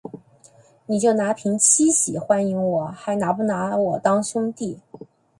你就拿瓶七喜欢迎我，还拿不拿我当兄弟